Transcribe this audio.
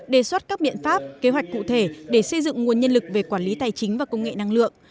đề xuất các biện pháp kế hoạch cụ thể để xây dựng nguồn nhân lực về quản lý tài chính và công nghệ năng lượng